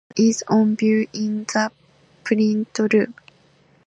A selection is on view in the print room.